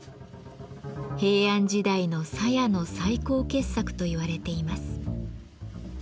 平安時代の鞘の最高傑作と言われています。